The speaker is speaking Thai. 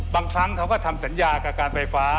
บางครั้งเขาก็ทำสัญญากับการไฟฟ้า